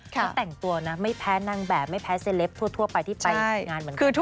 เขาแต่งตัวนะไม่แพ้นางแบบไม่แพ้เซลปทั่วไปที่ไปงานเหมือนกัน